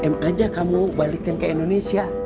m aja kamu balikin ke indonesia